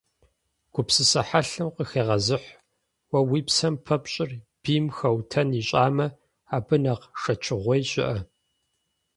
Гупсысэ хьэлъэм къыхегъэзыхь: уэ уи псэм пэпщӀыр бийм хэутэн ищӀамэ, абы нэхъ шэчыгъуей щыӀэ?!